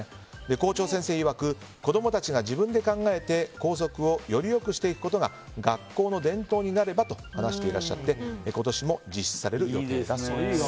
校長先生いわく子供たちが自分で考えて校則をより良くしていくことが学校の伝統になればと話していらっしゃって今年も実施される予定だそうです。